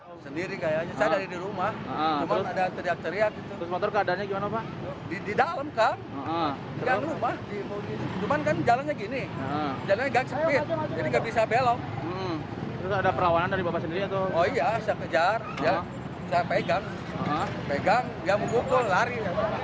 oh iya saya kejar saya pegang pegang dia mengumpul lari